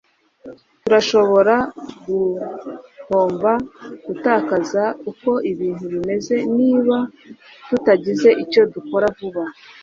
turashobora guhomba gutakaza uko ibintu bimeze niba tutagize icyo dukora vuba